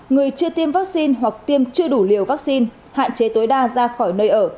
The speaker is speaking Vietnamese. người chưa tiêm vaccine hoặc tiêm chưa đủ liều vaccine hạn chế tối đa ra khỏi nơi ở